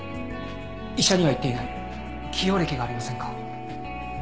医者には言っていない既往歴がありませんか？